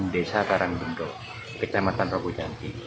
desa karangdunggo kecamatan robo jampi